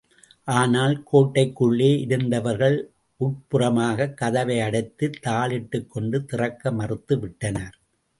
ஆனால், கோட்டைக்குள்ளே இருந்தவர்கள் உட்புறமாகக் கதவை அடைத்துத் தாழிட்டுக்கொண்டு திறக்க மறுத்துவிட்டனர்.